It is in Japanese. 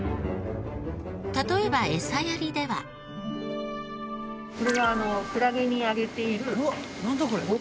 例えばこれはクラゲにあげているご飯です。